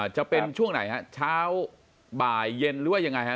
จะเป็นช่วงไหนครับช้าบ่ายเย็นหรือยังไงครับ